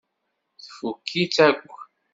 Tfukk-itt akk.